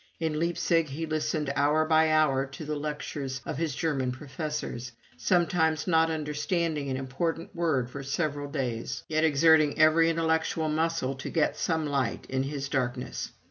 In Leipzig he listened hour by hour to the lectures of his German professors, sometimes not understanding an important word for several days, yet exerting every intellectual muscle to get some light in his darkness.